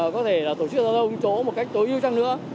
có thể là tổ chức giao thông chỗ một cách tối ưu chăng nữa